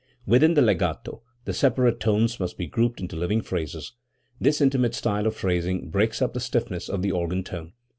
Within the legato, the separate tones must be grouped into living phrases. This" intimate style of phrasing breaks up the stiffness of the organ tone.